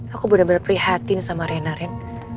aku bener bener prihatin sama rena ren